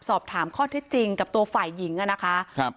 สอบถามข้อเท็จจริงกับตัวฝ่ายหญิงอ่ะนะคะครับ